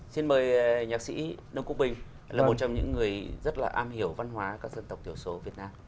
xin mời nhạc sĩ đông cúc bình là một trong những người rất là am hiểu văn hóa các dân tộc tiểu số việt nam